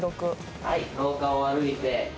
はい廊下を歩いて。